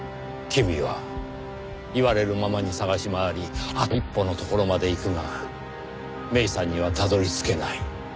君は言われるままに捜し回りあと一歩のところまでいくが芽依さんにはたどり着けない。